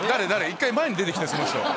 一回前に出て来てその人。